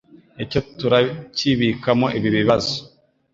icyo turakibikamo ibi bibazo".